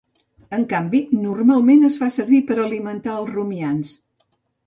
En canvi, normalment es fa servir per alimentar els rumiants.